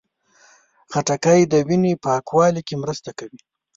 خټکی د وینې پاکوالي کې مرسته کوي.